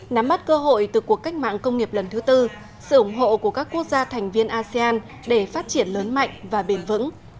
nắm mắt cơ hội từ cuộc cách mạng công nghiệp lần thứ tư sự ủng hộ của các quốc gia thành viên asean để phát triển lớn mạnh và bền vững